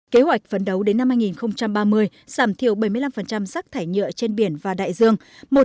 kế hoạch vấn đấu đến năm hai nghìn ba mươi giảm thiểu bảy mươi năm rác thải nhựa trên biển và đại dương